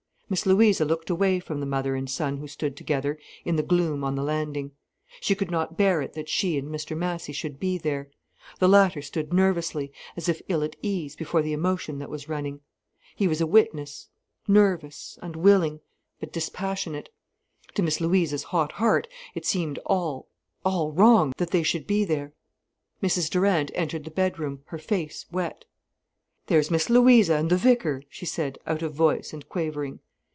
Miss Louisa looked away from the mother and son who stood together in the gloom on the landing. She could not bear it that she and Mr Massy should be there. The latter stood nervously, as if ill at ease before the emotion that was running. He was a witness, nervous, unwilling, but dispassionate. To Miss Louisa's hot heart it seemed all, all wrong that they should be there. Mrs Durant entered the bedroom, her face wet. "There's Miss Louisa and the vicar," she said, out of voice and quavering.